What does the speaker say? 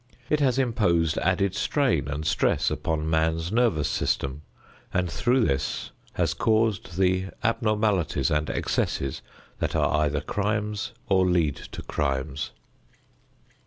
It has imposed added strain and stress upon man's nervous system and through this has caused the abnormalities and excesses that are either crimes or lead to crimes.